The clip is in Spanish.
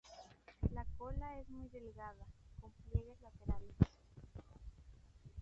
La cola es muy delgada, con pliegues laterales.